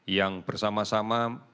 yang bersama sama menyebabkan kejalanan